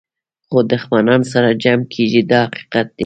خو دښمنان سره جمع کېږي دا حقیقت دی.